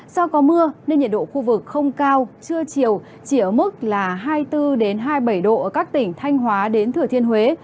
do có mưa nên nhiệt độ khu vực không cao trưa chiều chỉ ở mức là hai mươi bốn hai mươi bảy độ ở các tỉnh thanh hóa đến thừa thiên huế